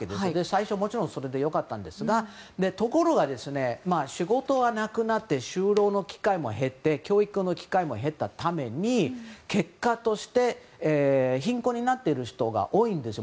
最初、もちろんそれでよかったんですがところが、仕事はなくなって就労の機会も減って教育の機会も減ったために結果として貧困になっている人が多いんです。